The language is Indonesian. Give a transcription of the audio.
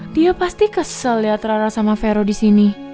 aigoo dia pasti kesel ya terang terang sama fero disini